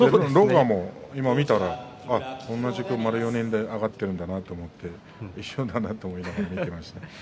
狼雅も今、見たら同じく丸４年で上がっているなと思って一緒だなと思って見ていました。